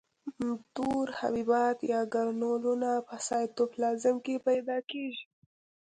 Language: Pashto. مدور حبیبات یا ګرنولونه په سایتوپلازم کې پیدا کیږي.